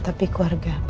tapi keluarga kita